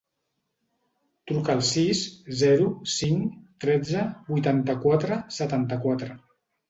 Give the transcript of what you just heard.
Truca al sis, zero, cinc, tretze, vuitanta-quatre, setanta-quatre.